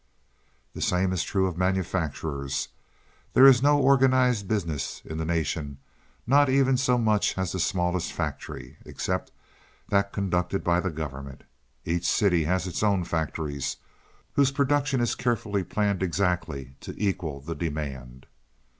"The same is true of manufactures. There is no organized business in the nation not even so much as the smallest factory except that conducted by the government. Each city has its own factories, whose production is carefully planned exactly to equal the demand."